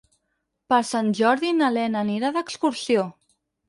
Per Sant Jordi na Lena anirà d'excursió.